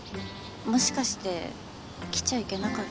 もしかして来ちゃいけなかった？